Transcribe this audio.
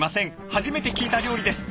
初めて聞いた料理です。